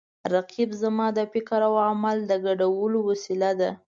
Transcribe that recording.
رقیب زما د فکر او عمل د ګډولو وسیله ده